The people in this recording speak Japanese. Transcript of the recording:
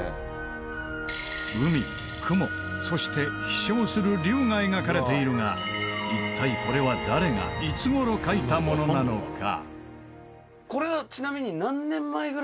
海雲そして飛翔する龍が描かれているが一体これは誰がいつ頃描いたものなのか？